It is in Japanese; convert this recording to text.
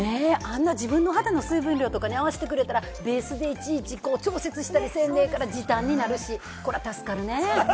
自分の肌の水分量とかに合わせてくれたら、ベースでいちいち調節したりせんでええから、時短になるし、これ助かるね。